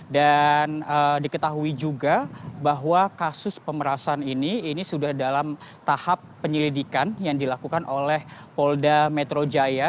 dan diketahui juga bahwa kasus pemerasan ini ini sudah dalam tahap penyelidikan yang dilakukan oleh polda metro jaya